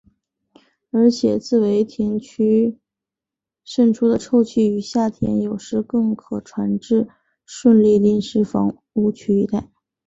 而且自堆填区渗出的臭气于夏天有时更可传至顺利临时房屋区一带。